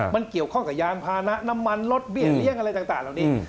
มันเกี่ยวข้องกับยานพานะน้ำมันลดเบี้ยเลี้ยงอะไรต่างเหล่านี้